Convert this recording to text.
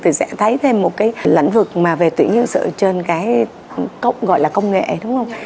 thì sẽ thấy thêm một cái lĩnh vực mà về tuyển nhân sự trên cái gọi là công nghệ đúng không